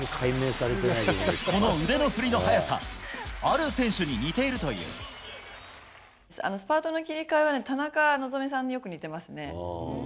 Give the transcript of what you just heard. この腕の振りの速さ、ある選スパートの切り替えは田中希実さんによく似てますね。